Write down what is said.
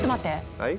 はい？